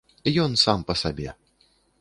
Ён сам па сабе.